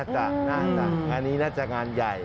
น่าจะน่าจะอันนี้น่าจะงานใหญ่